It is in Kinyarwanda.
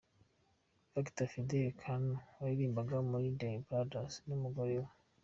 Victor Fidele Koudou waririmbaga muri The Brothers n’umugore we.